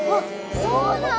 そうなんだ！